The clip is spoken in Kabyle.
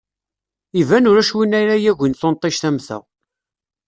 Iban ulac win ara yagin tunṭict am ta!